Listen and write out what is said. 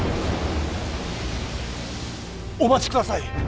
お待ちください。